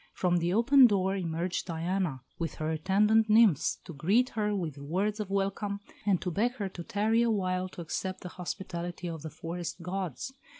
From the open door emerged Diana with her attendant nymphs to greet her with words of welcome, and to beg her to tarry a while to accept the hospitality of the forest gods.